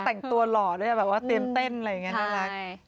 แต่งตัวหล่อด้วยแบบว่าเตรียมเต้นอะไรอย่างนี้น่ารัก